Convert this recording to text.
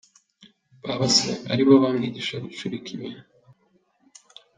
Baba se ari bo bamwigishije gucurika ibintu.